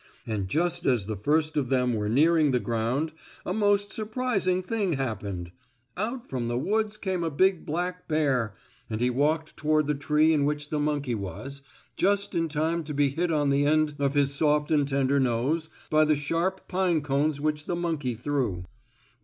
And just as the first of them were nearing the ground a most surprising thing happened. Out from the woods came a big black bear, and he walked toward the tree in which the monkey was, just in time to be hit on the end of his soft and tender nose by the sharp pine cones which the monkey threw.